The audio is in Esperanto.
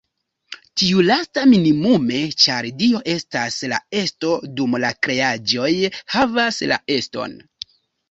Tiu lasta, minimume, ĉar Dio estas la Esto dum la kreaĵoj "havas" la eston.